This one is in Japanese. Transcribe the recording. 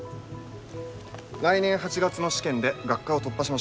来年８月の試験で学科を突破しましょう。